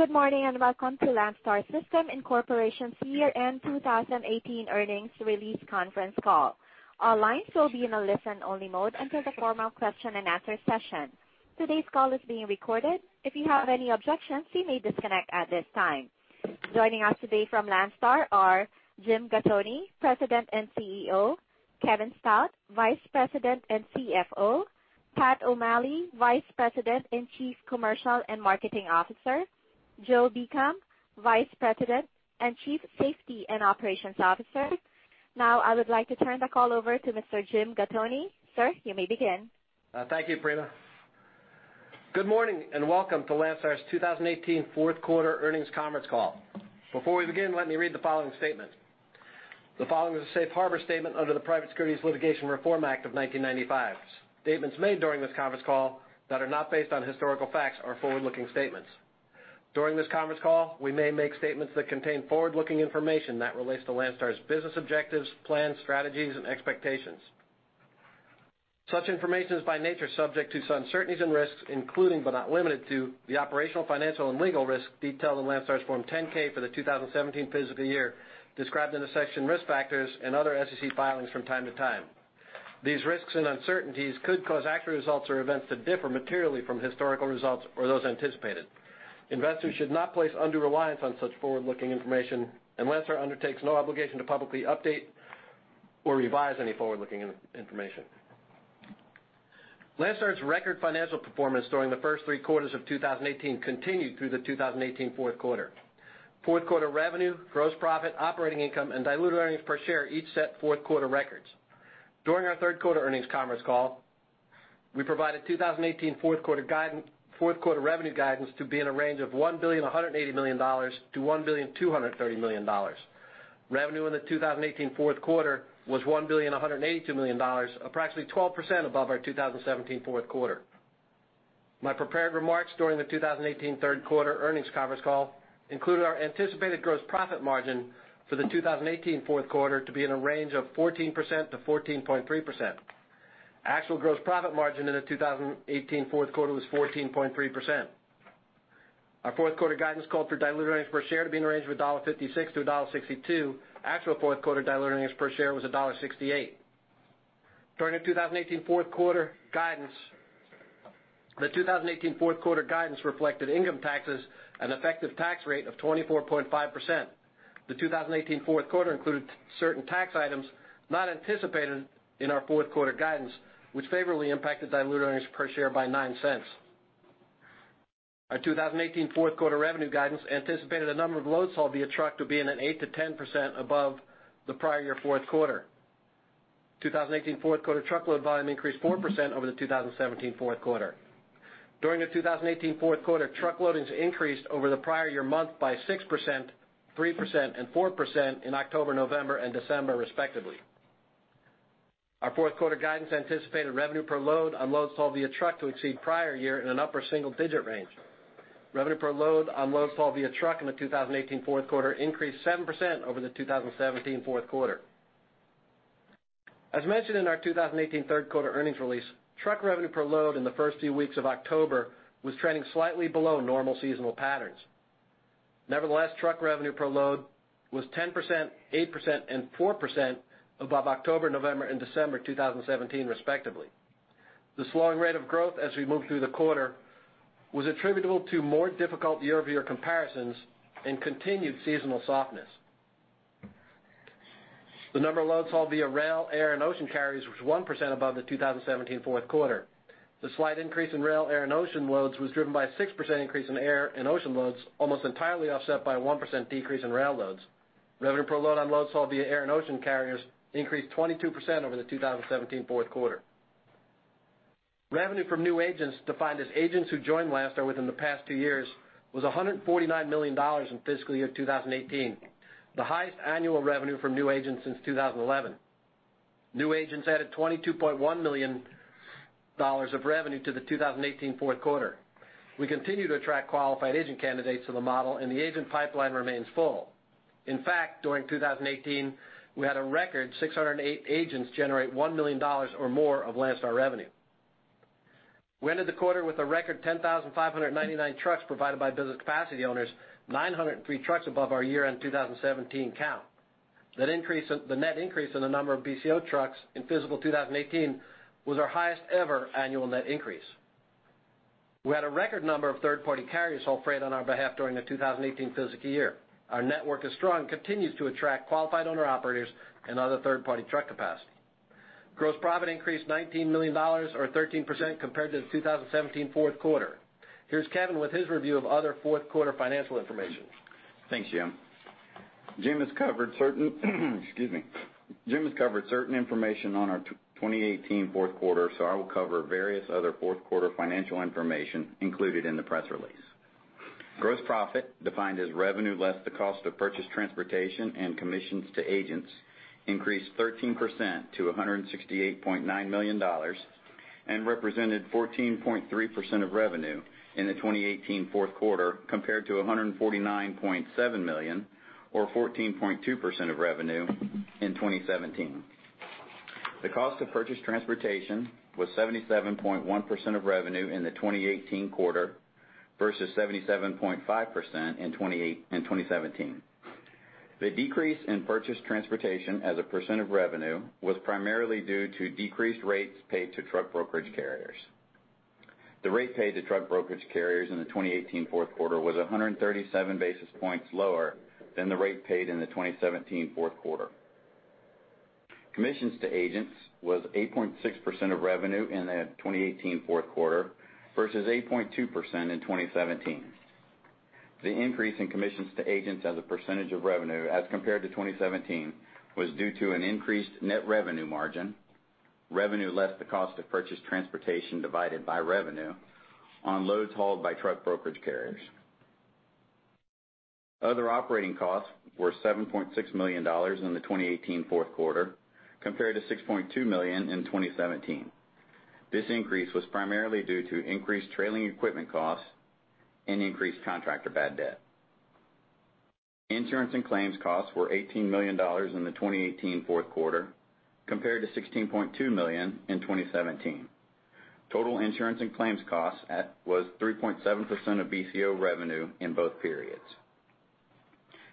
Good morning, and welcome to Landstar System Incorporation's Year-End 2018 Earnings Release Conference Call. All lines will be in a listen-only mode until the formal question-and-answer session. Today's call is being recorded. If you have any objections, you may disconnect at this time. Joining us today from Landstar are Jim Gattoni, President and CEO; Kevin Stout, Vice President and CFO; Pat O'Malley, Vice President and Chief Commercial and Marketing Officer; Joe Beacom, Vice President and Chief Safety and Operations Officer. Now, I would like to turn the call over to Mr. Jim Gattoni. Sir, you may begin. Thank you, Prina. Good morning, and welcome to Landstar's 2018 fourth quarter earnings conference call. Before we begin, let me read the following statement. The following is a safe harbor statement under the Private Securities Litigation Reform Act of 1995. Statements made during this conference call that are not based on historical facts are forward-looking statements. During this conference call, we may make statements that contain forward-looking information that relates to Landstar's business objectives, plans, strategies, and expectations. Such information is, by nature, subject to uncertainties and risks, including, but not limited to, the operational, financial, and legal risks detailed in Landstar's Form 10-K for the 2017 fiscal year, described in the section Risk Factors and other SEC filings from time to time. These risks and uncertainties could cause actual results or events to differ materially from historical results or those anticipated. Investors should not place undue reliance on such forward-looking information, and Landstar undertakes no obligation to publicly update or revise any forward-looking information. Landstar's record financial performance during the first three quarters of 2018 continued through the 2018 fourth quarter. Fourth quarter revenue, gross profit, operating income, and diluted earnings per share each set fourth quarter records. During our third quarter earnings conference call, we provided 2018 fourth quarter guidance, fourth quarter revenue guidance to be in a range of $1.18 billion-$1.23 billion. Revenue in the 2018 fourth quarter was $1.182 billion, approximately 12% above our 2017 fourth quarter. My prepared remarks during the 2018 third quarter earnings conference call included our anticipated gross profit margin for the 2018 fourth quarter to be in a range of 14%-14.3%. Actual gross profit margin in the 2018 fourth quarter was 14.3%. Our fourth quarter guidance called for diluted earnings per share to be in a range of $1.56-$1.62. Actual fourth quarter diluted earnings per share was $1.68. During the 2018 fourth quarter guidance... The 2018 fourth quarter guidance reflected income taxes, an effective tax rate of 24.5%. The 2018 fourth quarter included certain tax items not anticipated in our fourth quarter guidance, which favorably impacted diluted earnings per share by $0.09. Our 2018 fourth quarter revenue guidance anticipated the number of loads hauled via truck to be 8%-10% above the prior year fourth quarter. 2018 fourth quarter truckload volume increased 4% over the 2017 fourth quarter. During the 2018 fourth quarter, truck loadings increased over the prior year month by 6%, 3%, and 4% in October, November, and December, respectively. Our fourth quarter guidance anticipated revenue per load on loads hauled via truck to exceed prior year in an upper single-digit range. Revenue per load on loads hauled via truck in the 2018 fourth quarter increased 7% over the 2017 fourth quarter. As mentioned in our 2018 third quarter earnings release, truck revenue per load in the first few weeks of October was trending slightly below normal seasonal patterns. Nevertheless, truck revenue per load was 10%, 8%, and 4% above October, November, and December 2017, respectively. The slowing rate of growth as we moved through the quarter was attributable to more difficult year-over-year comparisons and continued seasonal softness. The number of loads hauled via rail, air, and ocean carriers was 1% above the 2017 fourth quarter. The slight increase in rail, air, and ocean loads was driven by a 6% increase in air and ocean loads, almost entirely offset by a 1% decrease in rail loads. Revenue per load on loads hauled via air and ocean carriers increased 22% over the 2017 fourth quarter. Revenue from new agents, defined as agents who joined Landstar within the past two years, was $149 million in fiscal year 2018, the highest annual revenue from new agents since 2011. New agents added $22.1 million of revenue to the 2018 fourth quarter. We continue to attract qualified agent candidates to the model, and the agent pipeline remains full. In fact, during 2018, we had a record 608 agents generate $1 million or more of Landstar revenue. We ended the quarter with a record 10,599 trucks provided by business capacity owners, 903 trucks above our year-end 2017 count. That the net increase in the number of BCO trucks in fiscal 2018 was our highest-ever annual net increase. We had a record number of third-party carriers haul freight on our behalf during the 2018 fiscal year. Our network is strong and continues to attract qualified owner-operators and other third-party truck capacity. Gross profit increased $19 million, or 13%, compared to the 2017 fourth quarter. Here's Kevin with his review of other fourth quarter financial information. Thanks, Jim. Jim has covered certain, excuse me. Jim has covered certain information on our 2018 fourth quarter, so I will cover various other fourth quarter financial information included in the press release. Gross profit, defined as revenue less the cost of purchased transportation and commissions to agents, increased 13% to $168.9 million, and represented 14.3% of revenue in the 2018 fourth quarter, compared to $149.7 million, or 14.2% of revenue, in 2017. The cost of purchased transportation was 77.1% of revenue in the 2018 quarter, versus 77.5% in 2017. The decrease in purchased transportation as a percent of revenue was primarily due to decreased rates paid to truck brokerage carriers. The rate paid to truck brokerage carriers in the 2018 fourth quarter was 137 basis points lower than the rate paid in the 2017 fourth quarter. Commissions to agents was 8.6% of revenue in the 2018 fourth quarter, versus 8.2% in 2017. The increase in commissions to agents as a percentage of revenue as compared to 2017, was due to an increased net revenue margin, revenue less the cost of purchased transportation divided by revenue on loads hauled by truck brokerage carriers. Other operating costs were $7.6 million in the 2018 fourth quarter, compared to $6.2 million in 2017. This increase was primarily due to increased trailing equipment costs and increased contractor bad debt. Insurance and claims costs were $18 million in the 2018 fourth quarter, compared to $16.2 million in 2017. Total insurance and claims costs was 3.7% of BCO revenue in both periods.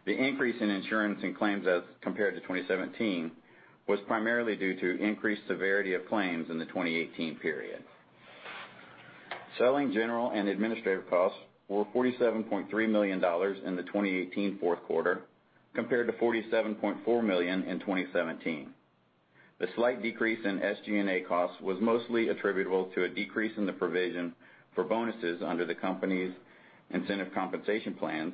The increase in insurance and claims as compared to 2017, was primarily due to increased severity of claims in the 2018 period. Selling, general, and administrative costs were $47.3 million in the 2018 fourth quarter, compared to $47.4 million in 2017. The slight decrease in SG&A costs was mostly attributable to a decrease in the provision for bonuses under the company's incentive compensation plans,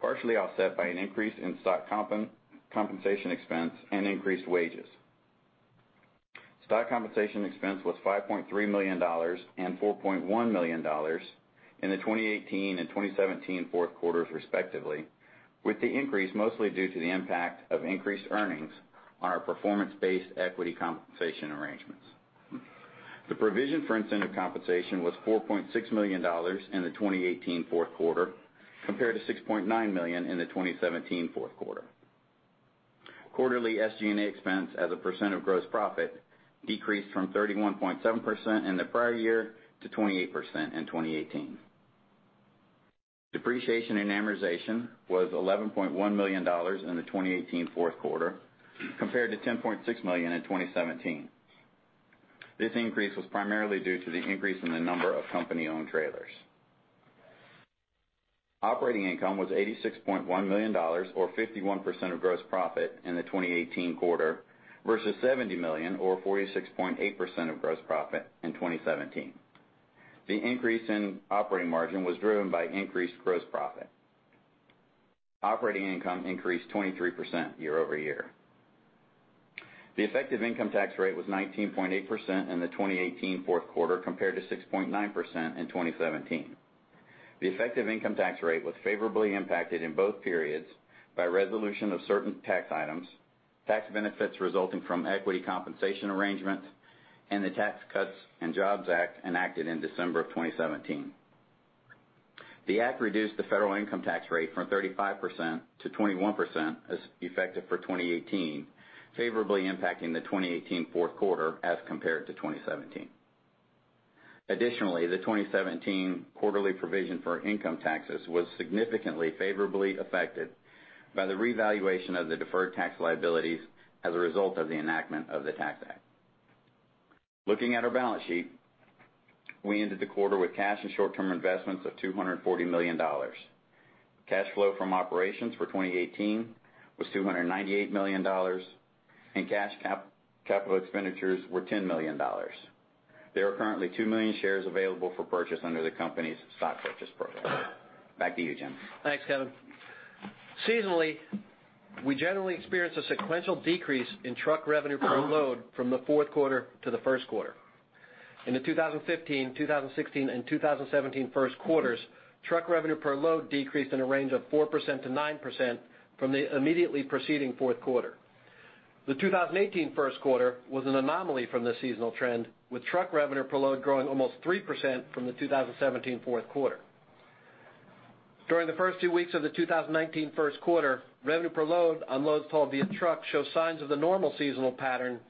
partially offset by an increase in stock compensation expense and increased wages. Stock compensation expense was $5.3 million and $4.1 million in the 2018 and 2017 fourth quarters, respectively, with the increase mostly due to the impact of increased earnings on our performance-based equity compensation arrangements. The provision for incentive compensation was $4.6 million in the 2018 fourth quarter, compared to $6.9 million in the 2017 fourth quarter. Quarterly SG&A expense as a percent of gross profit, decreased from 31.7% in the prior year to 28% in 2018. Depreciation and amortization was $11.1 million in the 2018 fourth quarter, compared to $10.6 million in 2017. This increase was primarily due to the increase in the number of company-owned trailers. Operating income was $86.1 million, or 51% of gross profit in the 2018 quarter, versus $70 million or 46.8% of gross profit in 2017. The increase in operating margin was driven by increased gross profit. Operating income increased 23% year-over-year. The effective income tax rate was 19.8% in the 2018 fourth quarter, compared to 6.9% in 2017. The effective income tax rate was favorably impacted in both periods by resolution of certain tax items, tax benefits resulting from equity compensation arrangements, and the Tax Cuts and Jobs Act enacted in December 2017. The act reduced the federal income tax rate from 35% to 21%, as effective for 2018, favorably impacting the 2018 fourth quarter as compared to 2017. Additionally, the 2017 quarterly provision for income taxes was significantly favorably affected by the revaluation of the deferred tax liabilities as a result of the enactment of the Tax Act. Looking at our balance sheet, we ended the quarter with cash and short-term investments of $240 million. Cash flow from operations for 2018 was $298 million, and capital expenditures were $10 million. There are currently 2 million shares available for purchase under the company's stock purchase program. Back to you, Jim. Thanks, Kevin. Seasonally, we generally experience a sequential decrease in truck revenue per load from the fourth quarter to the first quarter. In the 2015, 2016, and 2017 first quarters, truck revenue per load decreased in a range of 4%-9% from the immediately preceding fourth quarter. The 2018 first quarter was an anomaly from the seasonal trend, with truck revenue per load growing almost 3% from the 2017 fourth quarter. During the first two weeks of the 2019 first quarter, revenue per load on loads hauled via truck show signs of the normal seasonal pattern,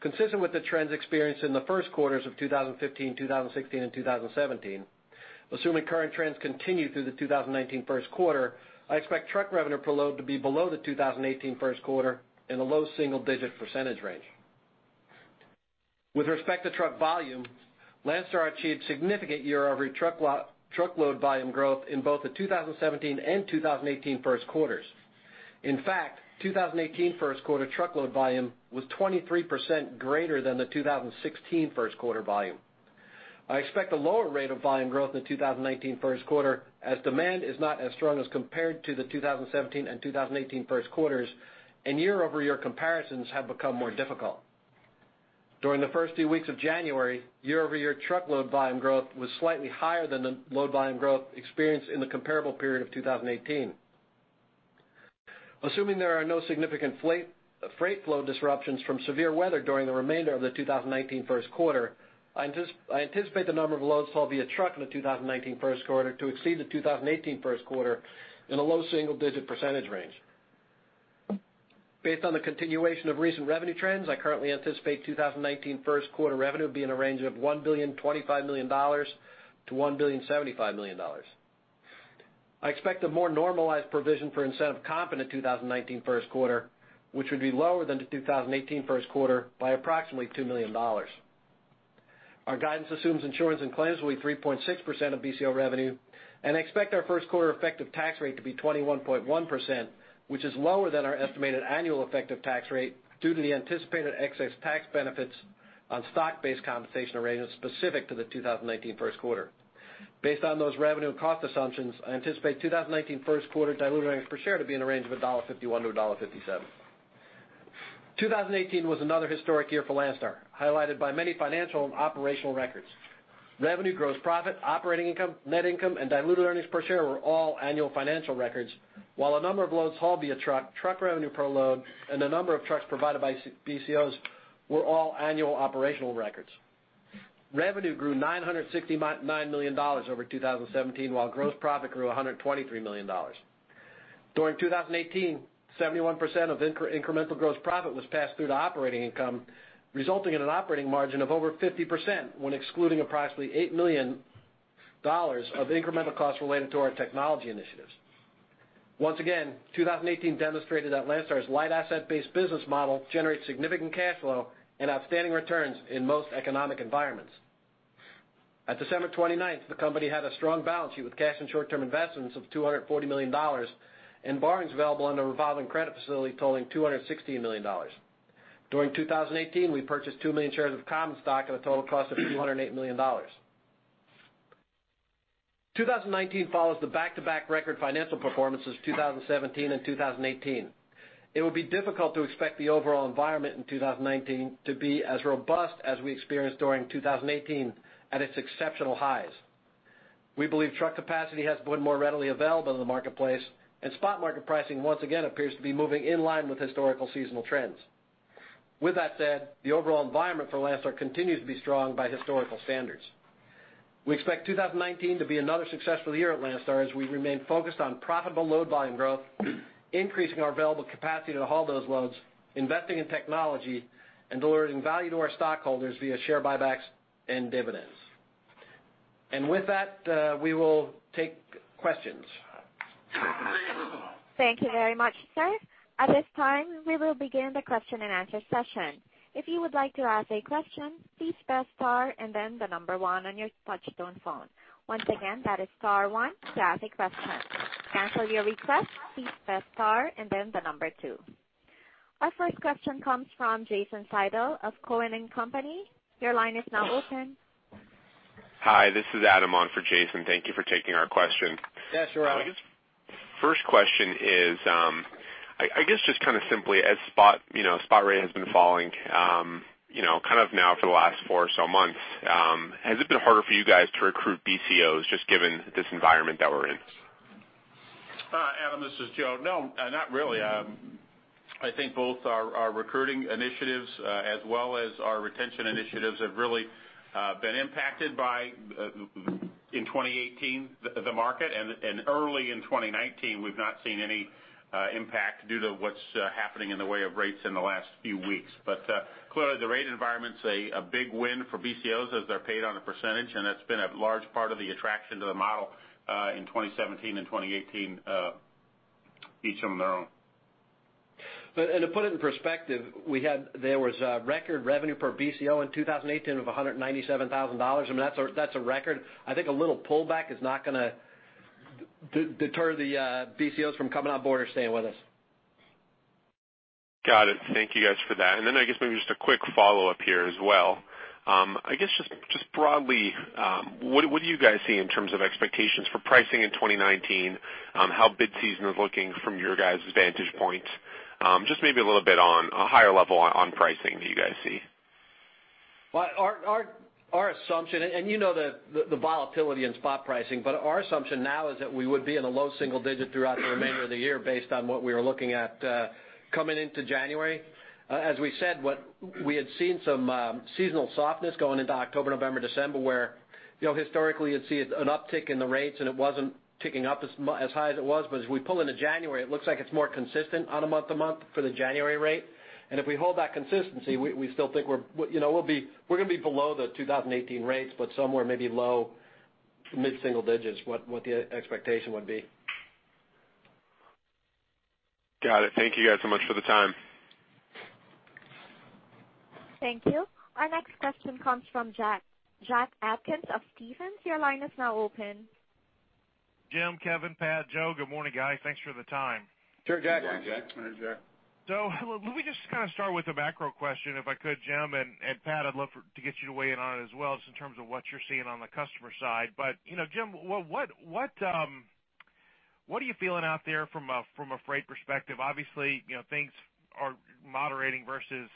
consistent with the trends experienced in the first quarters of 2015, 2016, and 2017. Assuming current trends continue through the 2019 first quarter, I expect truck revenue per load to be below the 2018 first quarter in a low single-digit % range. With respect to truck volume, Landstar achieved significant year-over-year truckload volume growth in both the 2017 and 2018 first quarters. In fact, 2018 first quarter truckload volume was 23% greater than the 2016 first quarter volume. I expect a lower rate of volume growth in the 2019 first quarter, as demand is not as strong as compared to the 2017 and 2018 first quarters, and year-over-year comparisons have become more difficult. During the first two weeks of January, year-over-year truckload volume growth was slightly higher than the load volume growth experienced in the comparable period of 2018. Assuming there are no significant flat freight flow disruptions from severe weather during the remainder of the 2019 first quarter, I anticipate the number of loads hauled via truck in the 2019 first quarter to exceed the 2018 first quarter in a low single-digit % range. Based on the continuation of recent revenue trends, I currently anticipate 2019 first quarter revenue will be in a range of $1.025 billion-$1.075 billion. I expect a more normalized provision for incentive comp in the 2019 first quarter, which would be lower than the 2018 first quarter by approximately $2 million. Our guidance assumes insurance and claims will be 3.6% of BCO revenue, and I expect our first quarter effective tax rate to be 21.1%, which is lower than our estimated annual effective tax rate due to the anticipated excess tax benefits on stock-based compensation arrangements specific to the 2019 first quarter. Based on those revenue and cost assumptions, I anticipate 2019 first quarter diluted earnings per share to be in a range of $1.51-$1.57. 2018 was another historic year for Landstar, highlighted by many financial and operational records. Revenue, gross profit, operating income, net income, and diluted earnings per share were all annual financial records, while a number of loads hauled via truck, truck revenue per load, and the number of trucks provided by BCOs were all annual operational records. Revenue grew $969 million over 2017, while gross profit grew $123 million. During 2018, 71% of incremental gross profit was passed through to operating income, resulting in an operating margin of over 50% when excluding approximately $8 million of incremental costs related to our technology initiatives. Once again, 2018 demonstrated that Landstar's light asset-based business model generates significant cash flow and outstanding returns in most economic environments. At December 29th, the company had a strong balance sheet with cash and short-term investments of $240 million, and borrowings available under a revolving credit facility totaling $216 million. During 2018, we purchased 2 million shares of common stock at a total cost of $208 million. 2019 follows the back-to-back record financial performances of 2017 and 2018. It would be difficult to expect the overall environment in 2019 to be as robust as we experienced during 2018 at its exceptional highs. We believe truck capacity has been more readily available in the marketplace, and spot market pricing once again appears to be moving in line with historical seasonal trends. With that said, the overall environment for Landstar continues to be strong by historical standards. We expect 2019 to be another successful year at Landstar, as we remain focused on profitable load volume growth, increasing our available capacity to haul those loads, investing in technology, and delivering value to our stockholders via share buybacks and dividends. And with that, we will take questions. Thank you very much, sir. At this time, we will begin the question-and-answer session. If you would like to ask a question, please press star and then the number one on your touchtone phone. Once again, that is star one to ask a question. To cancel your request, please press star and then the number two. Our first question comes from Jason Seidl of Cowen and Company. Your line is now open. Hi, this is Adam on for Jason. Thank you for taking our question. Yeah, sure. First question is, I guess, just kind of simply as spot, you know, spot rate has been falling, you know, kind of now for the last four or so months, has it been harder for you guys to recruit BCOs, just given this environment that we're in? Adam, this is Joe. No, not really. I think both our recruiting initiatives, as well as our retention initiatives have really been impacted by, in 2018, the market, and early in 2019, we've not seen any impact due to what's happening in the way of rates in the last few weeks. But, clearly, the rate environment's a big win for BCOs as they're paid on a percentage, and it's been a large part of the attraction to the model, in 2017 and 2018, each on their own. But, and to put it in perspective, there was a record revenue per BCO in 2018 of $197,000, and that's a record. I think a little pullback is not going to deter the BCOs from coming on board or staying with us. Got it. Thank you guys for that. And then I guess maybe just a quick follow-up here as well. I guess just broadly, what do you guys see in terms of expectations for pricing in 2019, how bid season is looking from your guys' vantage point? Just maybe a little bit on a higher level on pricing that you guys see. Well, our assumption, and you know the volatility in spot pricing, but our assumption now is that we would be in a low single digit throughout the remainder of the year based on what we were looking at coming into January. As we said, we had seen some seasonal softness going into October, November, December, where you know, historically, you'd see an uptick in the rates, and it wasn't ticking up as high as it was. But as we pull into January, it looks like it's more consistent on a month-to-month for the January rate. And if we hold that consistency, we still think we're, you know, we'll be, we're going to be below the 2018 rates, but somewhere maybe low, mid-single digits, what the expectation would be. Got it. Thank you guys so much for the time. Thank you. Our next question comes from Jack. Jack Atkins of Stephens, your line is now open. Jim, Kevin, Pat, Joe, good morning, guys. Thanks for the time. Sure, Jack. Good morning, Jack. Hi, Jack. So let me just kind of start with a macro question, if I could, Jim and Pat, I'd love for to get you to weigh in on it as well, just in terms of what you're seeing on the customer side. But, you know, Jim, what are you feeling out there from a freight perspective? Obviously, you know, things are moderating versus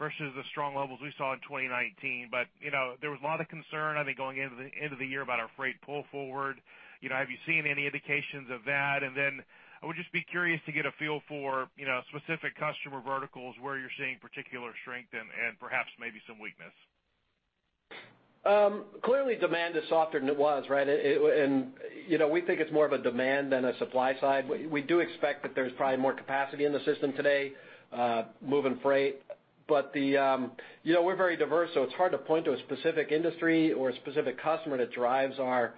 the strong levels we saw in 2019. But, you know, there was a lot of concern, I think, going into the end of the year about our freight pull forward. You know, have you seen any indications of that? And then I would just be curious to get a feel for, you know, specific customer verticals where you're seeing particular strength and perhaps maybe some weakness.... Clearly, demand is softer than it was, right? It and, you know, we think it's more of a demand than a supply side. We do expect that there's probably more capacity in the system today, moving freight. But the, you know, we're very diverse, so it's hard to point to a specific industry or a specific customer that drives our,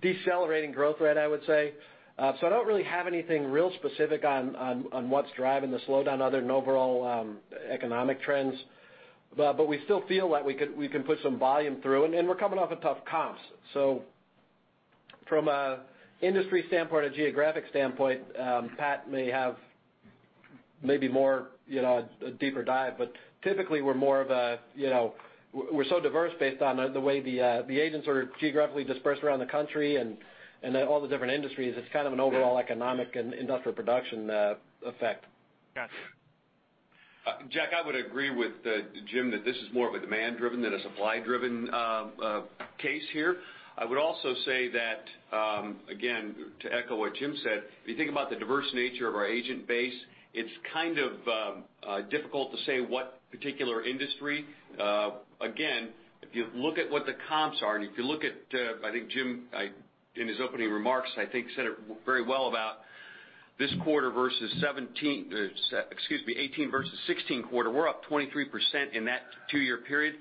decelerating growth rate, I would say. So I don't really have anything real specific on what's driving the slowdown other than overall, economic trends. But we still feel that we could- we can put some volume through, and we're coming off of tough comps. So from an industry standpoint or geographic standpoint, Pat may have maybe more, you know, a deeper dive, but typically, we're more of a, you know, we're so diverse based on the way the agents are geographically dispersed around the country and then all the different industries, it's kind of an overall economic and industrial production effect. Got you. Jack, I would agree with, Jim, that this is more of a demand-driven than a supply-driven, case here. I would also say that, again, to echo what Jim said, if you think about the diverse nature of our agent base, it's kind of, difficult to say what particular industry. Again, if you look at what the comps are, and if you look at, In his opening remarks, I think, said it very well about this quarter versus 2017, excuse me, 2018 versus 2016 quarter, we're up 23% in that two-year period.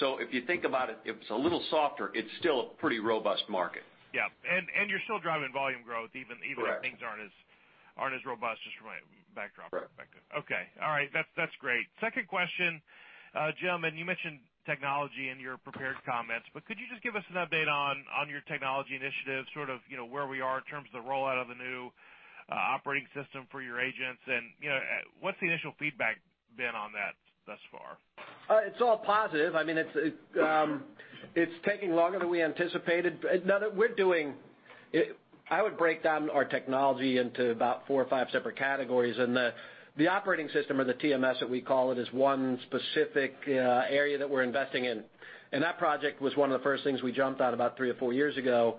So if you think about it, if it's a little softer, it's still a pretty robust market. Yeah, and you're still driving volume growth, even- Correct... even if things aren't as robust, just from a backdrop perspective. Correct. Okay. All right, that's, that's great. Second question, gentlemen, you mentioned technology in your prepared comments, but could you just give us an update on your technology initiatives, sort of, you know, where we are in terms of the rollout of the new operating system for your agents? And, you know, what's the initial feedback been on that thus far? It's all positive. I mean, it's taking longer than we anticipated. I would break down our technology into about four or five separate categories, and the operating system or the TMS, that we call it, is one specific area that we're investing in. And that project was one of the first things we jumped on about three or four years ago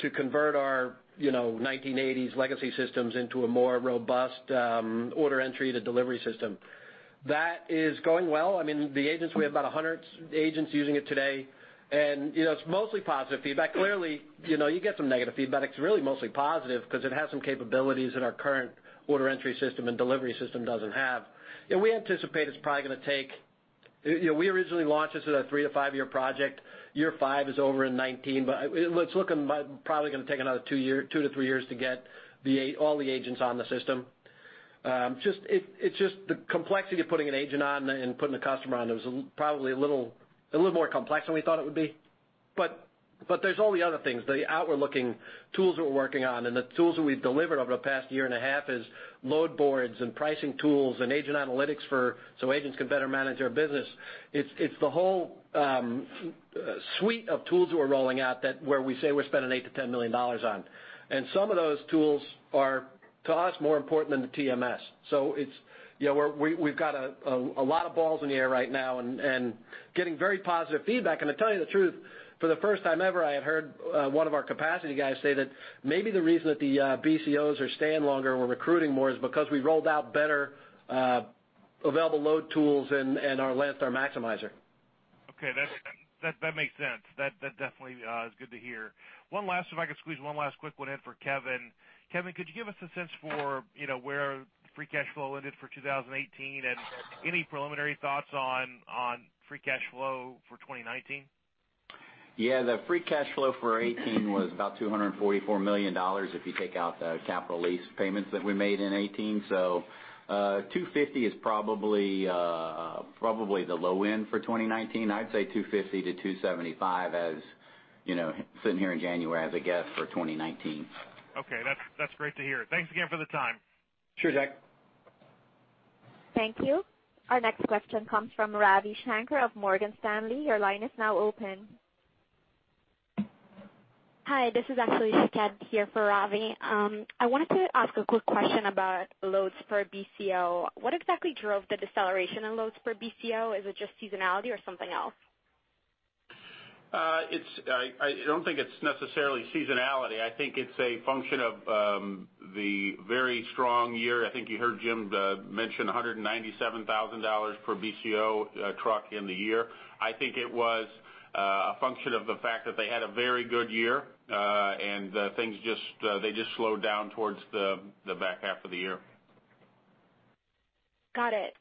to convert our, you know, 1980s legacy systems into a more robust order entry to delivery system. That is going well. I mean, the agents, we have about 100 agents using it today, and, you know, it's mostly positive feedback. Clearly, you know, you get some negative feedback, but it's really mostly positive because it has some capabilities in our current order entry system and delivery system doesn't have. And we anticipate it's probably going to take... You know, we originally launched this as a three to five-year project. Year five is over in 2019, but it's looking like probably going to take another two to three years to get all the agents on the system. Just, it's just the complexity of putting an agent on and putting a customer on it was probably a little more complex than we thought it would be. But there's all the other things, the outward-looking tools we're working on and the tools that we've delivered over the past year and a half is load boards and pricing tools and agent analytics for, so agents can better manage their business. It's the whole suite of tools we're rolling out that where we say we're spending $8 million-$10 million on. Some of those tools are, to us, more important than the TMS. It's... You know, we've got a lot of balls in the air right now and getting very positive feedback. To tell you the truth, for the first time ever, I have heard one of our capacity guys say that maybe the reason that the BCOs are staying longer and we're recruiting more is because we rolled out better available load tools and our last, our Maximizer. Okay, that makes sense. That definitely is good to hear. One last, if I could squeeze one last quick one in for Kevin. Kevin, could you give us a sense for, you know, where free cash flow ended for 2018, and any preliminary thoughts on free cash flow for 2019? Yeah, the free cash flow for 2018 was about $244 million if you take out the capital lease payments that we made in 2018. So, $250 million is probably the low end for 2019. I'd say $250 million-$275 million, as, you know, sitting here in January as a guess for 2019. Okay. That's, that's great to hear. Thanks again for the time. Sure, Jack. Thank you. Our next question comes from Ravi Shanker of Morgan Stanley. Your line is now open. Hi, this is actually Shaked here for Ravi. I wanted to ask a quick question about loads per BCO. What exactly drove the deceleration in loads per BCO? Is it just seasonality or something else? I don't think it's necessarily seasonality. I think it's a function of the very strong year. I think you heard Jim mention $197,000 per BCO truck in the year. I think it was a function of the fact that they had a very good year, and things just slowed down towards the back half of the year. Got it.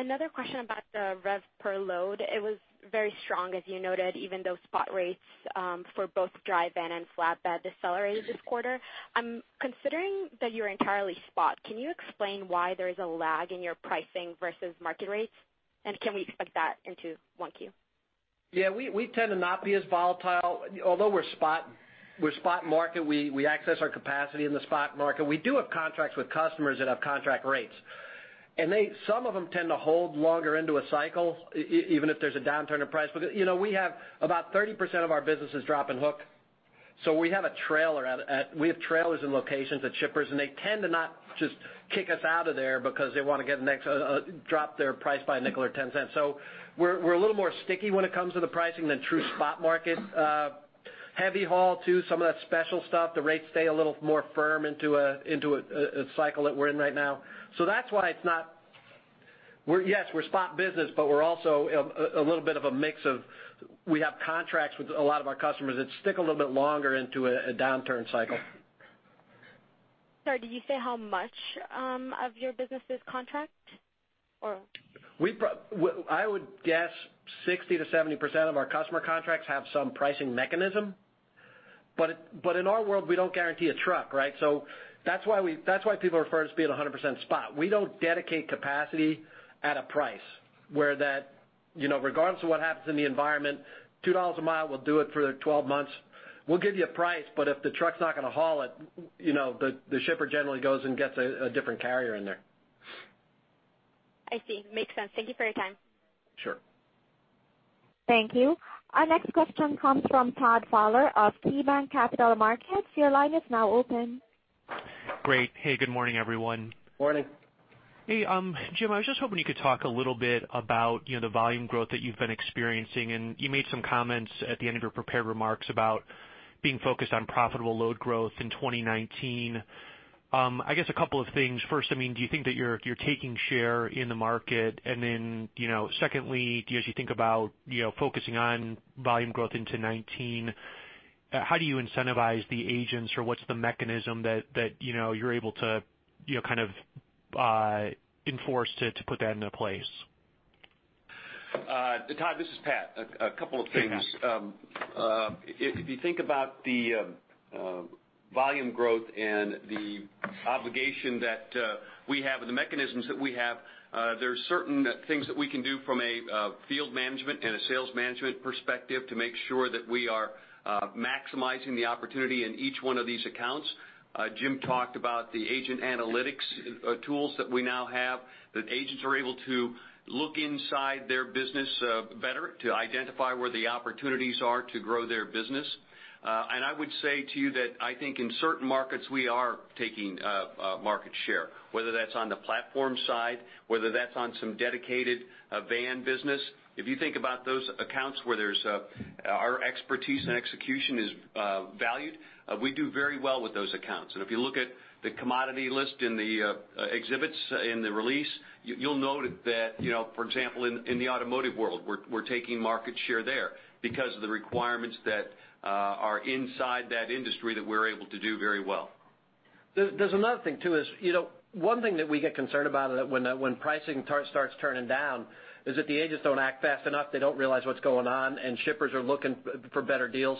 Another question about the rev per load. It was very strong, as you noted, even though spot rates, for both dry van and flatbed decelerated this quarter. Considering that you're entirely spot, can you explain why there is a lag in your pricing versus market rates? Can we expect that into 1Q? Yeah, we tend to not be as volatile. Although we're spot, we're spot market, we access our capacity in the spot market. We do have contracts with customers that have contract rates, and they, some of them tend to hold longer into a cycle, even if there's a downturn in price. Because, you know, we have about 30% of our business is drop and hook, so we have a trailer at, we have trailers and locations at shippers, and they tend to not just kick us out of there because they want to get the next, you know, drop their price by a nickel or $.10. We're a little more sticky when it comes to the pricing than true spot market. Heavy haul, too, some of that special stuff, the rates stay a little more firm into a cycle that we're in right now. So that's why it's not-... We're, yes, we're spot business, but we're also a little bit of a mix of, we have contracts with a lot of our customers that stick a little bit longer into a downturn cycle. Sorry, did you say how much of your business is contract? Or- We, I would guess 60%-70% of our customer contracts have some pricing mechanism, but it, but in our world, we don't guarantee a truck, right? So that's why we, that's why people refer to us being 100% spot. We don't dedicate capacity at a price, where that, you know, regardless of what happens in the environment, $2 a mile will do it for 12 months. We'll give you a price, but if the truck's not going to haul it, you know, the, the shipper generally goes and gets a, a different carrier in there. I see. Makes sense. Thank you for your time. Sure. Thank you. Our next question comes from Todd Fowler of KeyBanc Capital Markets. Your line is now open. Great. Hey, good morning, everyone. Morning. Hey, Jim, I was just hoping you could talk a little bit about, you know, the volume growth that you've been experiencing, and you made some comments at the end of your prepared remarks about being focused on profitable load growth in 2019. I guess a couple of things. First, I mean, do you think that you're taking share in the market? And then, you know, secondly, do you, as you think about, you know, focusing on volume growth into 2019, how do you incentivize the agents, or what's the mechanism that you know, you're able to, you know, kind of enforce to put that into place? Todd, this is Pat. A couple of things. Hey, Pat. If you think about the volume growth and the obligation that we have and the mechanisms that we have, there are certain things that we can do from a field management and a sales management perspective to make sure that we are maximizing the opportunity in each one of these accounts. Jim talked about the agent analytics tools that we now have, that agents are able to look inside their business better to identify where the opportunities are to grow their business. And I would say to you that I think in certain markets, we are taking market share, whether that's on the platform side, whether that's on some dedicated van business. If you think about those accounts where there's our expertise and execution is valued, we do very well with those accounts. And if you look at the commodity list in the exhibits in the release, you'll note that, you know, for example, in the automotive world, we're taking market share there because of the requirements that are inside that industry that we're able to do very well. There's another thing, too, you know, one thing that we get concerned about when pricing starts turning down is that the agents don't act fast enough. They don't realize what's going on, and shippers are looking for better deals.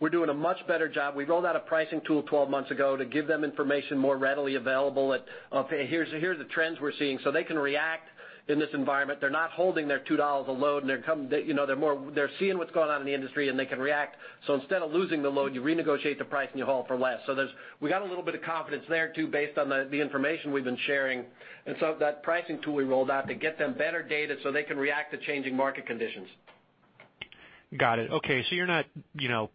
We're doing a much better job. We rolled out a pricing tool 12 months ago to give them information more readily available. Okay, here are the trends we're seeing, so they can react in this environment. They're not holding their $2 a load, and they're, you know, they're more, they're seeing what's going on in the industry, and they can react. So instead of losing the load, you renegotiate the price, and you haul for less. So there's, we got a little bit of confidence there, too, based on the information we've been sharing. And so that pricing tool we rolled out to get them better data, so they can react to changing market conditions. Got it. Okay, so you're not, you know,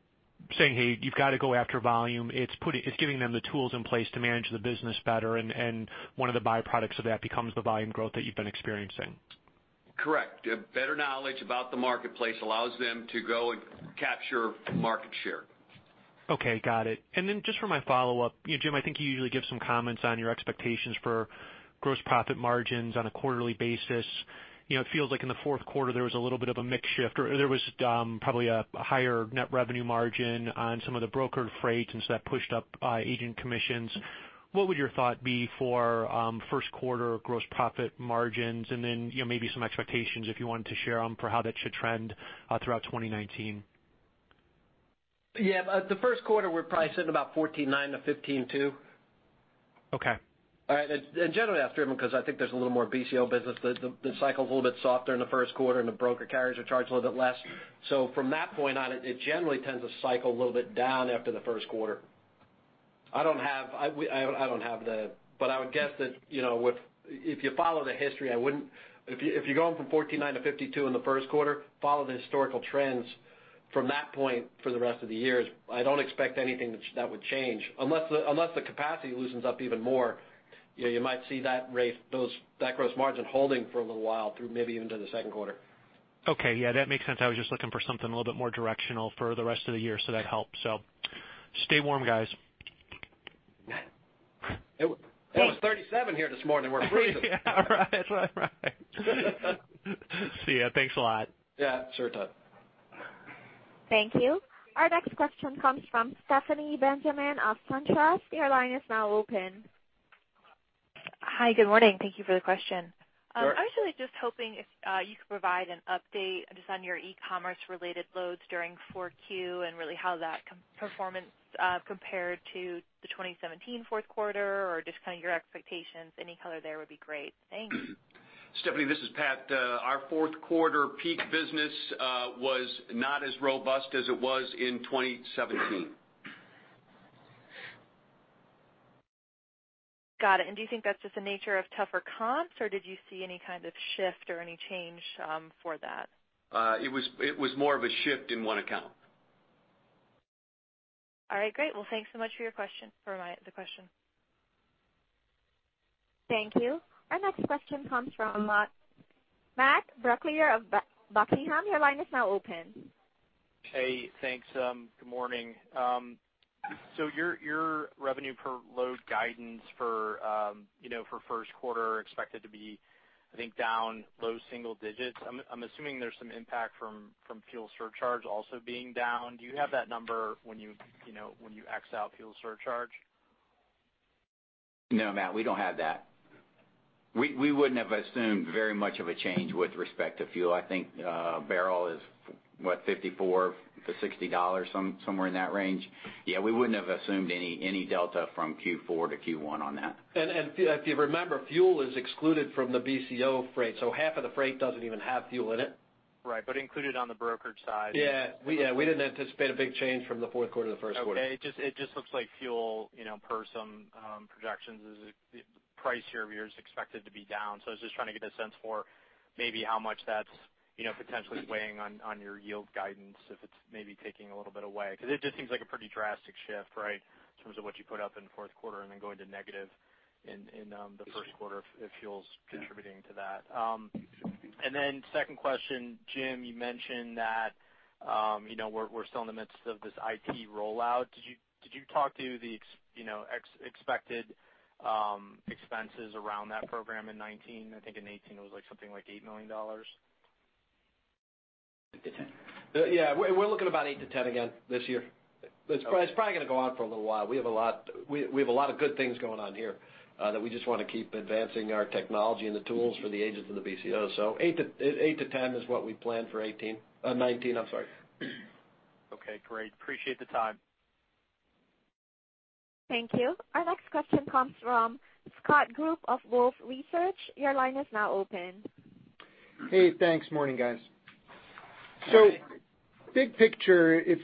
saying, "Hey, you've got to go after volume." It's giving them the tools in place to manage the business better, and one of the byproducts of that becomes the volume growth that you've been experiencing. Correct. Better knowledge about the marketplace allows them to go and capture market share. Okay, got it. Then just for my follow-up, you know, Jim, I think you usually give some comments on your expectations for gross profit margins on a quarterly basis. You know, it feels like in the fourth quarter, there was a little bit of a mix shift, or there was probably a higher net revenue margin on some of the brokered freight, and so that pushed up agent commissions. What would your thought be for first quarter gross profit margins, and then, you know, maybe some expectations, if you wanted to share them, for how that should trend throughout 2019? Yeah. The first quarter, we're probably sitting about $14.9-$15.2. Okay. All right? Generally, that's driven because I think there's a little more BCO business. The cycle is a little bit softer in the first quarter, and the broker carriers are charged a little bit less. So from that point on, it generally tends to cycle a little bit down after the first quarter. I don't have... but I would guess that, you know, with... If you follow the history, I wouldn't... If you're going from $14.9-$15.2 in the first quarter, follow the historical trends from that point for the rest of the years, I don't expect anything that would change. Unless the capacity loosens up even more, you know, you might see that rate, that gross margin holding for a little while through maybe even to the second quarter. Okay. Yeah, that makes sense. I was just looking for something a little bit more directional for the rest of the year, so that helps. So stay warm, guys. It was 37 here this morning. We're freezing. Yeah, right. Right, right. See you. Thanks a lot. Yeah, sure, Todd. Thank you. Our next question comes from Stephanie Benjamin of SunTrust. Your line is now open. Hi, good morning. Thank you for the question. Sure. I was really just hoping if you could provide an update just on your e-commerce-related loads during 4Q and really how that performance compared to the 2017 fourth quarter, or just kind of your expectations. Any color there would be great. Thanks. Stephanie, this is Pat. Our fourth quarter peak business was not as robust as it was in 2017. Got it. And do you think that's just the nature of tougher comps, or did you see any kind of shift or any change, for that? It was more of a shift in one account. All right, great. Well, thanks so much for your question, for my, the question. Thank you. Our next question comes from Matt Brooklier of Buckingham, your line is now open. Hey, thanks. Good morning. So your revenue per load guidance for, you know, for first quarter expected to be, I think, down low single digits. I'm assuming there's some impact from fuel surcharge also being down. Do you have that number when you, you know, when you x out fuel surcharge? No, Matt, we don't have that. We, we wouldn't have assumed very much of a change with respect to fuel. I think, barrel is, what? $54-$60, somewhere in that range. Yeah, we wouldn't have assumed any, any delta from Q4 to Q1 on that. If you remember, fuel is excluded from the BCO freight, so half of the freight doesn't even have fuel in it. Right. But included on the brokerage side. Yeah, we didn't anticipate a big change from the fourth quarter to the first quarter. Okay. It just looks like fuel, you know, per some projections, the price year over year is expected to be down. So I was just trying to get a sense for maybe how much that's, you know, potentially weighing on your yield guidance, if it's maybe taking a little bit away. Because it just seems like a pretty drastic shift, right? In terms of what you put up in the fourth quarter and then going to negative in the first quarter if fuel's contributing to that. And then second question, Jim, you mentioned that, you know, we're still in the midst of this IT rollout. Did you talk to the expected expenses around that program in 2019? I think in 2018, it was like something like $8 million. $8 million to $10 million. Yeah, we're looking at about $8 million-$10 million again this year. Okay. But it's probably gonna go on for a little while. We have a lot of good things going on here, that we just want to keep advancing our technology and the tools for the agents and the BCO. So $8 million-$10 million is what we plan for 2018, 2019, I'm sorry. Okay, great. Appreciate the time. Thank you. Our next question comes from Scott Group of Wolfe Research. Your line is now open. Hey, thanks. Morning, guys. Hi. So big picture, if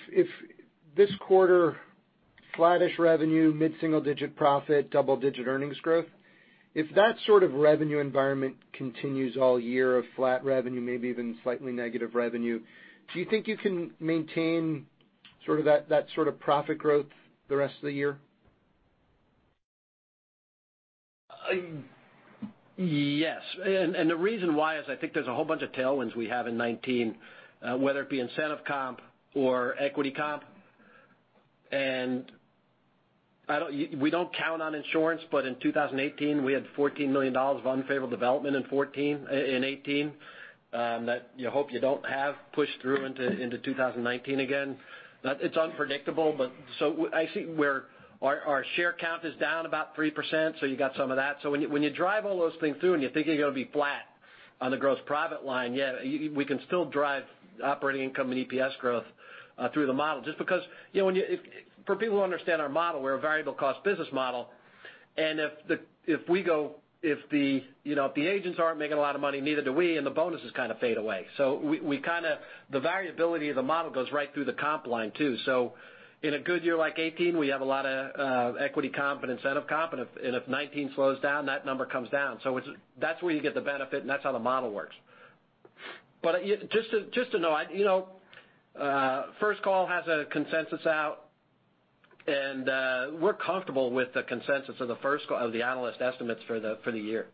this quarter, flattish revenue, mid-single-digit profit, double-digit earnings growth, if that sort of revenue environment continues all year of flat revenue, maybe even slightly negative revenue, do you think you can maintain sort of that sort of profit growth the rest of the year? Yes, and the reason why is I think there's a whole bunch of tailwinds we have in 2019, whether it be incentive comp or equity comp. And I don't, we don't count on insurance, but in 2018, we had $14 million of unfavorable development in 2014 in 2018, that you hope you don't have pushed through into 2019 again. But it's unpredictable, but so I see where our share count is down about 3%, so you got some of that. So when you drive all those things through, and you think you're going to be flat on the gross profit line, yeah, we can still drive operating income and EPS growth through the model. Just because, you know, when you... If, for people who understand our model, we're a variable cost business model, and if the, you know, if the agents aren't making a lot of money, neither do we, and the bonuses kind of fade away. So the variability of the model goes right through the comp line, too. So in a good year like 2018, we have a lot of equity comp and incentive comp, and if 2019 slows down, that number comes down. So it's, that's where you get the benefit, and that's how the model works. But just to know, you know, First Call has a consensus out, and we're comfortable with the consensus of the First Call, of the analyst estimates for the year.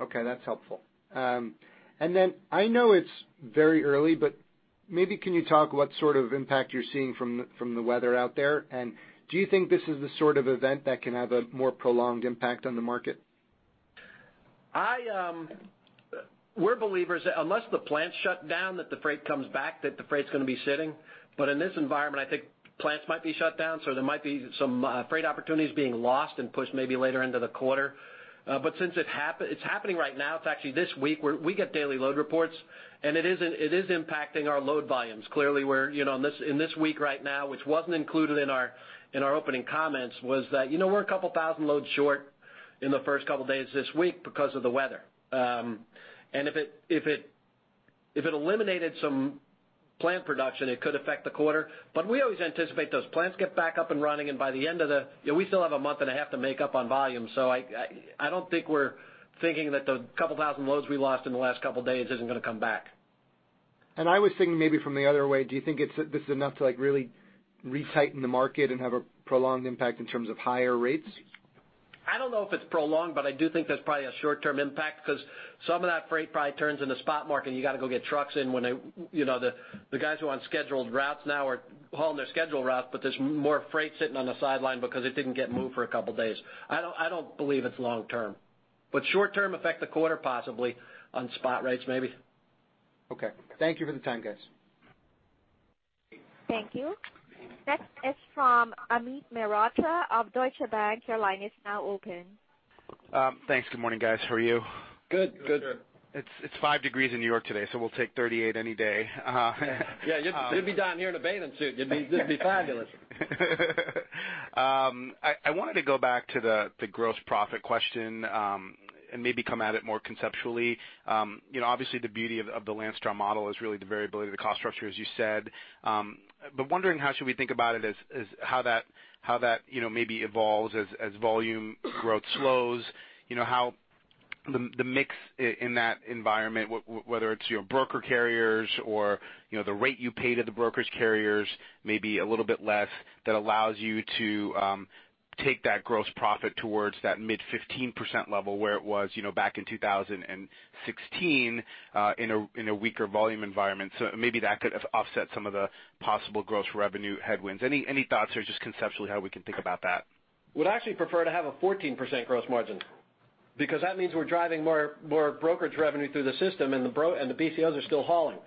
Okay, that's helpful. Then I know it's very early, but maybe can you talk what sort of impact you're seeing from the, from the weather out there? Do you think this is the sort of event that can have a more prolonged impact on the market? I, we're believers, unless the plants shut down, that the freight comes back, that the freight is going to be sitting. But in this environment, I think plants might be shut down, so there might be some freight opportunities being lost and pushed maybe later into the quarter. But since it's happening right now, it's actually this week, we get daily load reports, and it is impacting our load volumes. Clearly, we're, you know, in this week right now, which wasn't included in our opening comments, was that, you know, we're a couple thousand loads short in the first couple of days this week because of the weather. And if it eliminated some plant production, it could affect the quarter. We always anticipate those plants get back up and running, and by the end of the... You know, we still have a month and a half to make up on volume, so I don't think we're thinking that the 2,000 loads we lost in the last couple of days isn't going to come back. I was thinking maybe from the other way, do you think it's, this is enough to, like, really retighten the market and have a prolonged impact in terms of higher rates? I don't know if it's prolonged, but I do think there's probably a short-term impact because some of that freight probably turns in the spot market, and you got to go get trucks in when they, you know, the guys who are on scheduled routes now are hauling their scheduled routes, but there's more freight sitting on the sidelines because it didn't get moved for a couple of days. I don't believe it's long term, but short term effect the quarter possibly on spot rates, maybe. Okay. Thank you for the time, guys. Thank you. Next is from Amit Mehrotra of Deutsche Bank. Your line is now open. Thanks. Good morning, guys. How are you? Good, good. Good. It's 5 degrees in New York today, so we'll take 38 any day. Yeah, you'd be down here in a bathing suit. You'd be, you'd be fabulous. I wanted to go back to the gross profit question, and maybe come at it more conceptually. You know, obviously, the beauty of the Landstar model is really the variability of the cost structure, as you said. But wondering how should we think about it as how that you know maybe evolves as volume growth slows. You know, how the mix in that environment, whether it's your broker carriers or you know the rate you pay to the brokerage carriers may be a little bit less, that allows you to take that gross profit towards that mid-15% level where it was you know back in 2016 in a weaker volume environment. So maybe that could have offset some of the possible gross revenue headwinds. Any thoughts or just conceptually how we can think about that? Would actually prefer to have a 14% gross margin, because that means we're driving more, more brokerage revenue through the system, and the brokerage and the BCOs are still hauling.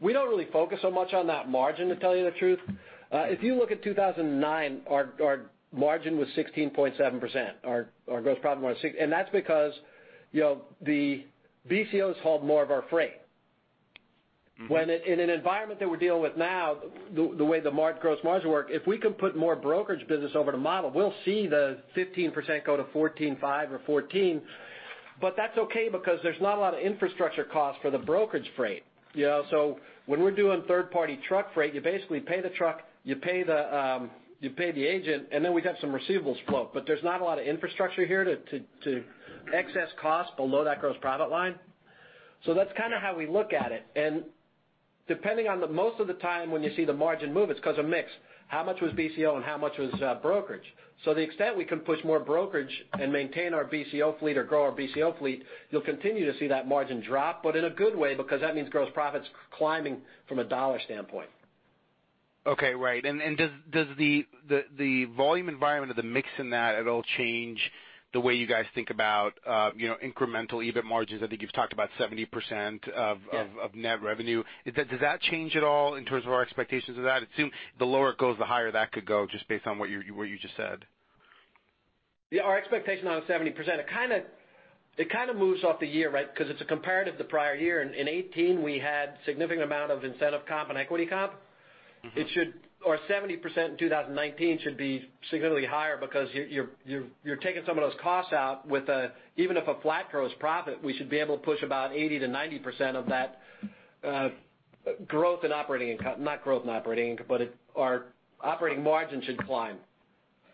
We don't really focus so much on that margin, to tell you the truth. If you look at 2009, our margin was 16.7%. Our gross profit margin, and that's because, you know, the BCOs hauled more of our freight. Mm-hmm. When in an environment that we're dealing with now, the way the gross margin work, if we can put more brokerage business over the model, we'll see the 15% go to 14.5% or 14%. But that's okay because there's not a lot of infrastructure costs for the brokerage freight, you know? So when we're doing third-party truck freight, you basically pay the truck, you pay the agent, and then we've got some receivables flow. But there's not a lot of infrastructure here to excess cost below that gross profit line. So that's kind of how we look at it. And depending on the... Most of the time, when you see the margin move, it's because of mix. How much was BCO and how much was brokerage? The extent we can push more brokerage and maintain our BCO fleet or grow our BCO fleet, you'll continue to see that margin drop, but in a good way, because that means gross profit's climbing from a dollar standpoint. Okay, right. Does the volume environment of the mix in that at all change the way you guys think about, you know, incremental EBIT margins? I think you've talked about 70% of- Yeah of net revenue. Does that change at all in terms of our expectations of that? It seems the lower it goes, the higher that could go, just based on what you, what you just said. Yeah, our expectation on 70%, it kind of, it kind of moves off the year, right? Because it's a comparative to the prior year. In 2018, we had significant amount of incentive comp and equity comp. Mm-hmm. It should, or 70% in 2019 should be significantly higher because you're taking some of those costs out, even if a flat gross profit, we should be able to push about 80%-90% of that growth in operating income, not growth in operating income, but it, our operating margin should climb.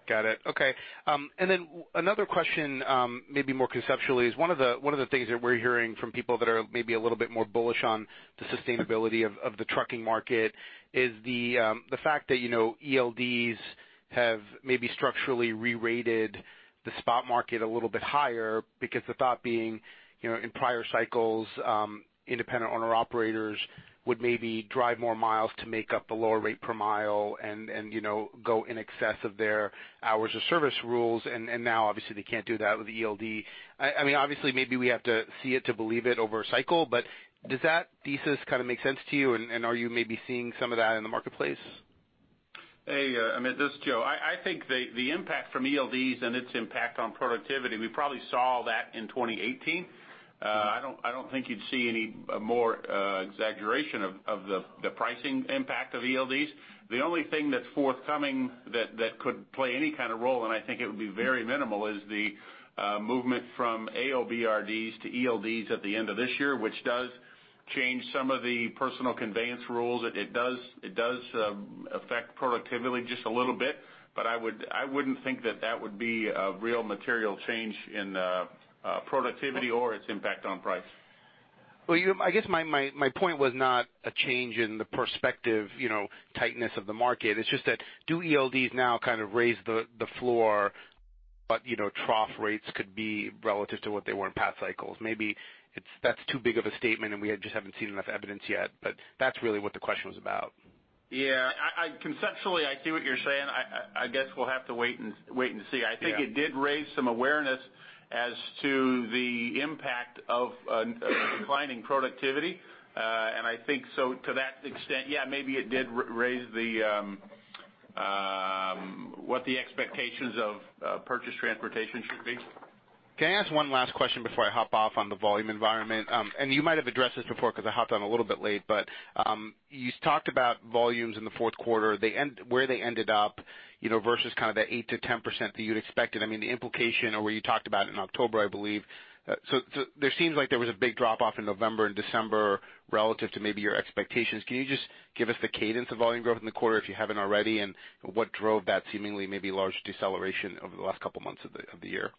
Got it. Okay. And then another question, maybe more conceptually, is one of the, one of the things that we're hearing from people that are maybe a little bit more bullish on the sustainability of, of the trucking market is the, the fact that, you know, ELDs have maybe structurally rerated the spot market a little bit higher because the thought being, you know, in prior cycles, independent owner-operators would maybe drive more miles to make up the lower rate per mile and, and, you know, go in excess of their hours of service rules. And, and now, obviously, they can't do that with the ELD. I mean, obviously, maybe we have to see it to believe it over a cycle, but does that thesis kind of make sense to you? And, and are you maybe seeing some of that in the marketplace? Hey, Amit, this is Joe. I think the impact from ELDs and its impact on productivity, we probably saw that in 2018. I don't think you'd see any more exaggeration of the pricing impact of ELDs. The only thing that's forthcoming that could play any kind of role, and I think it would be very minimal, is the movement from AOBRDs to ELDs at the end of this year, which does change some of the personal conveyance rules. It does affect productivity just a little bit, but I wouldn't think that that would be a real material change in productivity or its impact on price. Well, I guess my point was not a change in the perspective, you know, tightness of the market. It's just that do ELDs now kind of raise the floor, but, you know, trough rates could be relative to what they were in past cycles? Maybe it's, that's too big of a statement, and we just haven't seen enough evidence yet, but that's really what the question was about. Yeah. Conceptually, I see what you're saying. I guess we'll have to wait and see. Yeah. I think it did raise some awareness as to the impact of declining productivity. And I think so to that extent, yeah, maybe it did raise the expectations of purchased transportation should be. Can I ask one last question before I hop off on the volume environment? And you might have addressed this before because I hopped on a little bit late, but you talked about volumes in the fourth quarter, they ended up where, you know, versus kind of the 8%-10% that you'd expected. I mean, the implication or where you talked about in October, I believe. So there seems like there was a big drop-off in November and December relative to maybe your expectations. Can you just give us the cadence of volume growth in the quarter, if you haven't already, and what drove that seemingly maybe large deceleration over the last couple of months of the year?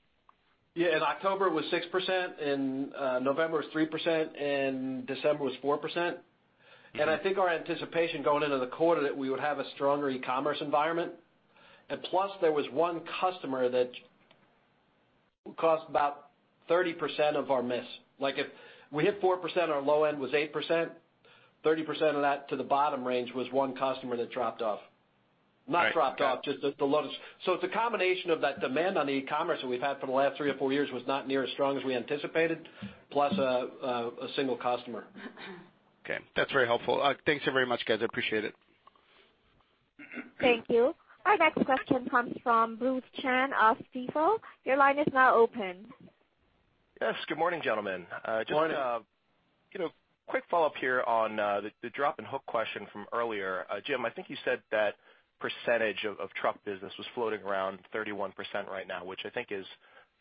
Yeah. In October, it was 6%, in November, it was 3%, in December was 4%. Mm-hmm. I think our anticipation going into the quarter, that we would have a stronger e-commerce environment, and plus, there was one customer that cost about 30% of our miss. Like, if we hit 4%, our low end was 8%. 30% of that to the bottom range was one customer that dropped off. Right. Not dropped off, just the lowest. So it's a combination of that demand on the e-commerce that we've had for the last three or four years was not near as strong as we anticipated, plus a single customer. Okay. That's very helpful. Thank you very much, guys. I appreciate it. Thank you. Our next question comes from Bruce Chan of Stifel. Your line is now open. Yes, good morning, gentlemen. Good morning. Just, you know, quick follow-up here on the drop and hook question from earlier. Jim, I think you said that percentage of truck business was floating around 31% right now, which I think is,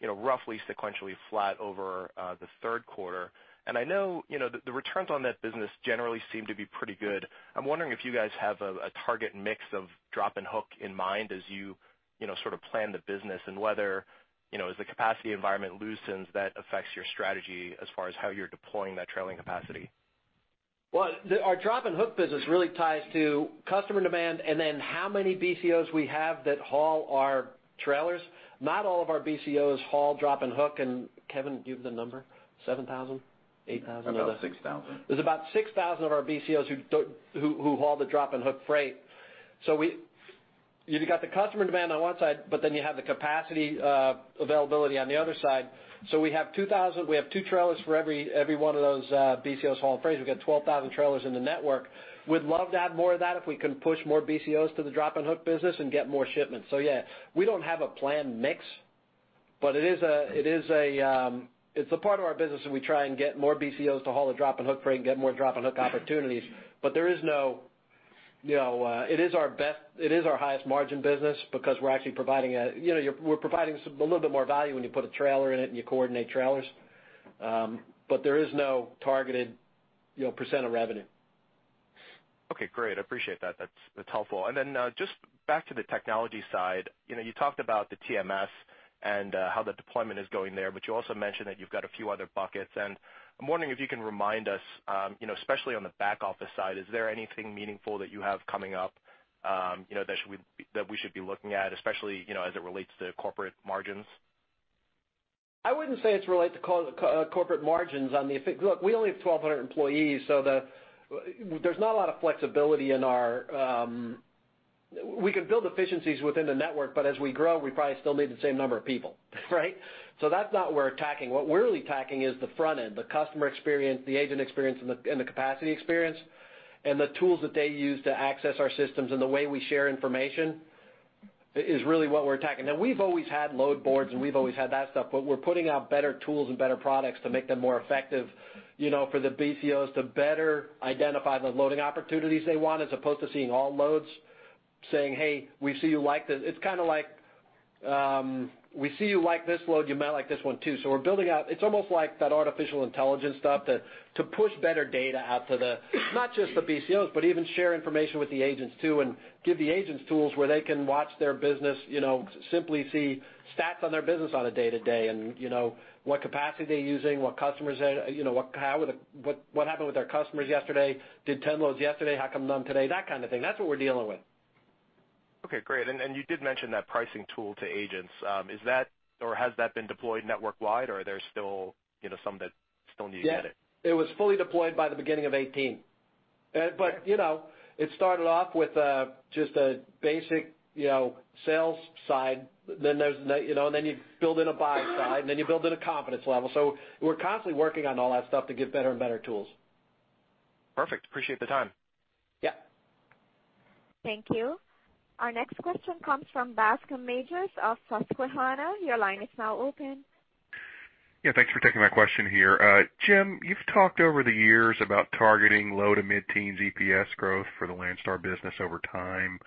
you know, roughly sequentially flat over the third quarter. And I know, you know, the returns on that business generally seem to be pretty good. I'm wondering if you guys have a target mix of drop and hook in mind as you, you know, sort of plan the business, and whether, you know, as the capacity environment loosens, that affects your strategy as far as how you're deploying that trailing capacity?... Well, our drop and hook business really ties to customer demand, and then how many BCOs we have that haul our trailers. Not all of our BCOs haul drop and hook, and Kevin, do you have the number? 7,000? 8,000? About 6,000. There's about 6,000 of our BCOs who don't haul the drop and hook freight. So you've got the customer demand on one side, but then you have the capacity, availability on the other side. So we have two trailers for every one of those BCOs hauling freight. We've got 12,000 trailers in the network. We'd love to have more of that if we can push more BCOs to the drop and hook business and get more shipments. So yeah, we don't have a planned mix, but it is a part of our business, and we try and get more BCOs to haul the drop and hook freight and get more drop and hook opportunities. But there is no, you know, it is our best - it is our highest margin business because we're actually providing a, you know, you're, we're providing a little bit more value when you put a trailer in it and you coordinate trailers. But there is no targeted, you know, percent of revenue. Okay, great. I appreciate that. That's, that's helpful. And then, just back to the technology side. You know, you talked about the TMS and how the deployment is going there, but you also mentioned that you've got a few other buckets, and I'm wondering if you can remind us, you know, especially on the back office side, is there anything meaningful that you have coming up, you know, that we should be looking at, especially, you know, as it relates to corporate margins? I wouldn't say it's related to corporate margins on the... Look, we only have 1,200 employees, so there's not a lot of flexibility in our... We can build efficiencies within the network, but as we grow, we probably still need the same number of people, right? So that's not where we're attacking. What we're really attacking is the front end, the customer experience, the agent experience, and the capacity experience, and the tools that they use to access our systems and the way we share information, is really what we're attacking. Now, we've always had load boards, and we've always had that stuff, but we're putting out better tools and better products to make them more effective, you know, for the BCOs to better identify the loading opportunities they want, as opposed to seeing all loads, saying, "Hey, we see you like this." It's kind of like, we see you like this load, you might like this one, too. So we're building out... It's almost like that artificial intelligence stuff, that to push better data out to the, not just the BCOs, but even share information with the agents, too, and give the agents tools where they can watch their business, you know, simply see stats on their business on a day-to-day, and, you know, what capacity they're using, what customers they, you know, what happened with our customers yesterday? Did 10 loads yesterday, how come none today? That kind of thing. That's what we're dealing with. Okay, great. And you did mention that pricing tool to agents. Is that, or has that been deployed network wide, or are there still, you know, some that still need to get it? Yeah, it was fully deployed by the beginning of 2018. But, you know, it started off with just a basic, you know, sales side. Then there's, you know, then you build in a buy side, and then you build in a confidence level. So we're constantly working on all that stuff to get better and better tools. Perfect. Appreciate the time. Yeah. Thank you. Our next question comes from Bascome Majors of Susquehanna. Your line is now open. Yeah, thanks for taking my question here. Jim, you've talked over the years about targeting low to mid-teens EPS growth for the Landstar business over time.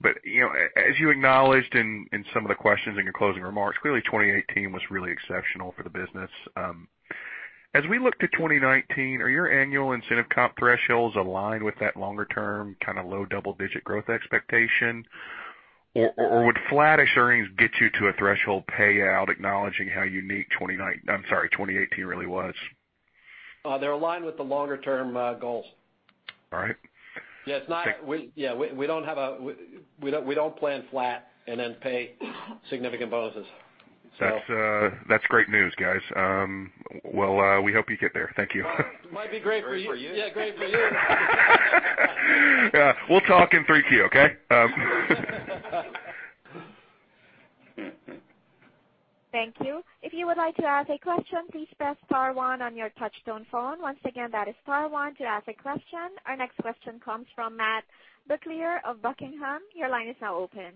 But, you know, as you acknowledged in some of the questions in your closing remarks, clearly 2018 was really exceptional for the business. As we look to 2019, are your annual incentive comp thresholds aligned with that longer term, kind of low double-digit growth expectation? Or would flattish earnings get you to a threshold payout, acknowledging how unique 2018 really was? They're aligned with the longer-term goals. All right. Yeah, it's not- Thank- Yeah, we don't plan flat and then pay significant bonuses, so. That's great news, guys. Well, we hope you get there. Thank you. Might be great for you. For you. Yeah, great for you. Yeah, we'll talk in 3Q, okay? Thank you. If you would like to ask a question, please press star one on your touchtone phone. Once again, that is star one to ask a question. Our next question comes from Matt Brooklier of Buckingham. Your line is now open.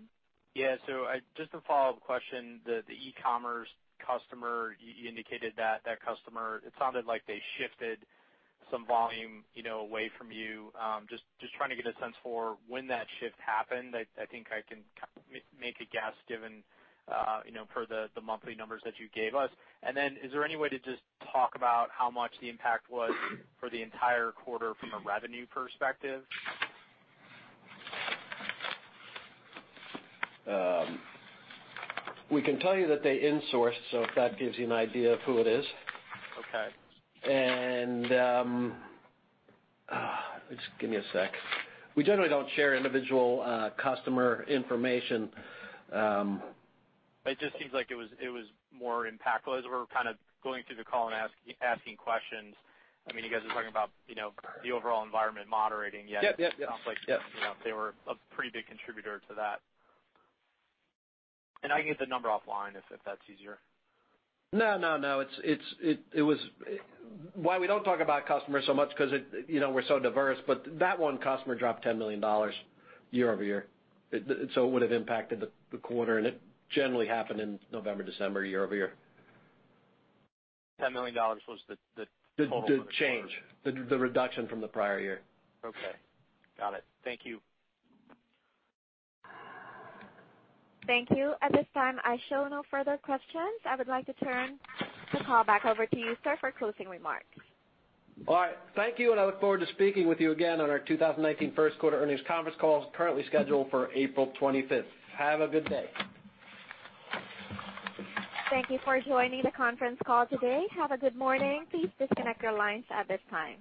Yeah. So just a follow-up question. The e-commerce customer, you indicated that customer, it sounded like they shifted some volume, you know, away from you. Just trying to get a sense for when that shift happened. I think I can make a guess, given, you know, per the monthly numbers that you gave us. And then, is there any way to just talk about how much the impact was for the entire quarter from a revenue perspective? We can tell you that they insourced, so if that gives you an idea of who it is. Okay. Just give me a sec. We generally don't share individual customer information. It just seems like it was more impactful as we're kind of going through the call and asking questions. I mean, you guys are talking about, you know, the overall environment moderating, yet- Yep, yep, yes. It sounds like, you know, they were a pretty big contributor to that. I can get the number offline if that's easier. No, no, no. It was why we don't talk about customers so much, 'cause it, you know, we're so diverse, but that one customer dropped $10 million year-over-year. So it would have impacted the quarter, and it generally happened in November, December, year-over-year. $10 million was the total- The change. The reduction from the prior year. Okay. Got it. Thank you. Thank you. At this time, I show no further questions. I would like to turn the call back over to you, sir, for closing remarks. All right. Thank you, and I look forward to speaking with you again on our 2019 first quarter earnings conference call, currently scheduled for April 25th. Have a good day. Thank you for joining the conference call today. Have a good morning. Please disconnect your lines at this time.